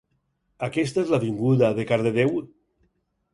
Aquesta és l'avinguda de Cardedeu?